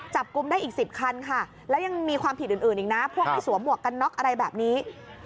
จับกลุ่มได้อีก๑๐คันค่ะแล้วยังมีความผิดอื่นอีกนะพวกไม่สวมหวกกันน็อกอะไรแบบนี้